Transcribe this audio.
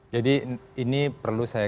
jadi ini perlu saya